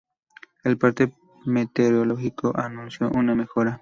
El parte meteorológico anunció una mejora.